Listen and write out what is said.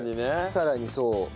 さらにそう。